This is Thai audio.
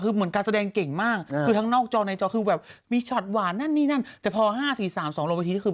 คือเหมือนการแสดงเก่งมากคือทั้งนอกจอในจอมีชอตหวานมากแต่พอ๕๔๓๒โลไพทีแปลกเกินเลย